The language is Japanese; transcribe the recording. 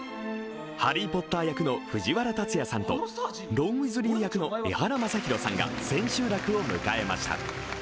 ハリー・ポッター役の藤原竜也さんとロン・ウィーズリー役のエハラマサヒロさんが千秋楽を迎えました。